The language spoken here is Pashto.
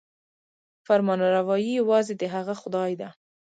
فرمانروايي یوازې د هغه خدای ده.